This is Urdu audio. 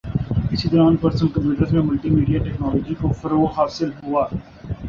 اسی دوران پرسنل کمپیوٹرز میں ملٹی میڈیا ٹیکنولوجی کو فروغ حاصل ہوا